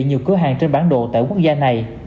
nhiều cửa hàng trên bản đồ tại quốc gia này